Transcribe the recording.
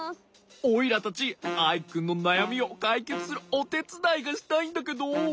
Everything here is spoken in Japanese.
オイラたちアイくんのなやみをかいけつするおてつだいがしたいんだけど。